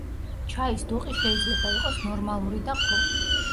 ჩაის დუყი შეიძლება იყოს ნორმალური და ყრუ.